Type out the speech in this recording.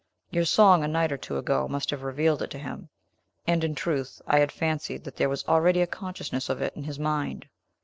"Your song, a night or two ago, must have revealed it to him, and, in truth, I had fancied that there was already a consciousness of it in his mind.